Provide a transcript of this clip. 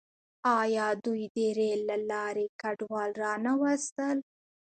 آیا دوی د ریل له لارې کډوال را نه وستل؟